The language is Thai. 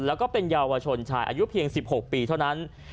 แล้วก็เป็นเยาวชนชายอายุเพียง๑๖ปีเท่านั้น